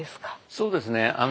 そうですね。